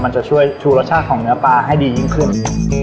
จะช่วยชูรสชาติของเนื้อปลาให้ดียิ่งขึ้น